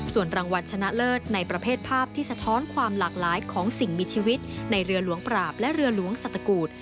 ส่วนรางวัลชนะเลิศในประเภทภาพที่สะท้อนความหลากหลายของสิ่งมีชีวิตในเรือหลวงปราบและเรือหลวงสัตกูล